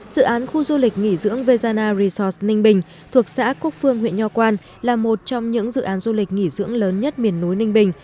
dự án khu du lịch nghỉ dưỡng vezana resorts ninh bình thuộc xã quốc phương huyện nho quan là một trong những dự án du lịch nghỉ dưỡng lớn nhất miền núi ninh bình